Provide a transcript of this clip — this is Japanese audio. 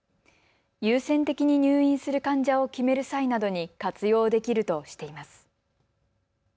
優先的に入院する患者を決める際などに活用できるとしています。